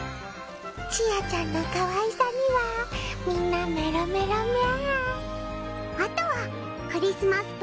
ちあちゃんのかわいさにはみんなメロメロみゃ。